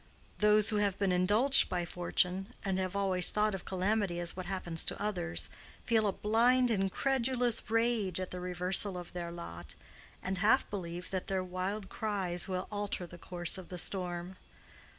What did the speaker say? Those who have been indulged by fortune and have always thought of calamity as what happens to others, feel a blind incredulous rage at the reversal of their lot, and half believe that their wild cries will alter the course of the storm.